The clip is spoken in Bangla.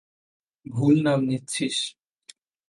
ভুল নাম নিচ্ছিস।